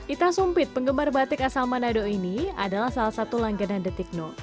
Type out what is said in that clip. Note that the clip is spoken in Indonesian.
ita sumpit penggemar batik asal manado ini adalah salah satu langganan detikno